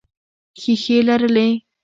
ښیښې لرلې.